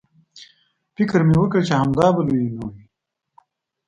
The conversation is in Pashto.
فکر مې وکړ چې همدا به لویینو وي.